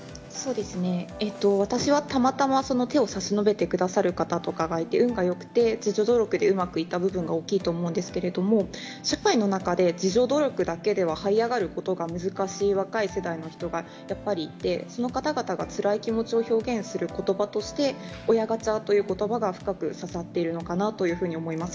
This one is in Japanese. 私はたまたま手を差し伸べてくださる方とかがいて、運がよくて、自助努力でうまくいった部分が大きいと思うんですけど、社会の中で、自助努力だけでは、はい上がることが難しい若い世代の人がやっぱりいて、その方々がつらい気持ちを表現することばとして、親ガチャということばが深く刺さっているのかなというふうに思います。